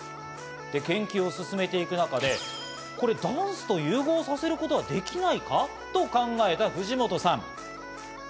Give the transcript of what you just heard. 研究を進めていく中でダンスと融合させることができないかと考えた藤本さん。